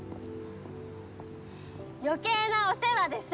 余計なお世話です！